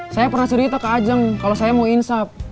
saya pernah cerita ke ajeng kalo saya mau insap